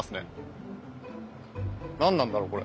何なんだろうこれ。